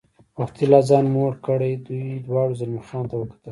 وختي لا ځان موړ کړی، دوی دواړو زلمی خان ته وکتل.